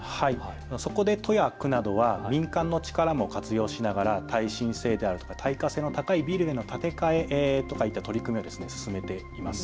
そこで都や区などは民間の力も活用しながら耐震性であるとか耐火性の高いビルへの建て替えとかいった取り組みを進めています。